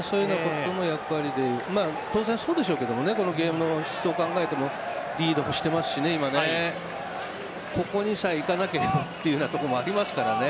当然そうですけどこのゲーム見ていてもリードしていますしここにさえいかなければというようなところもありますけどね。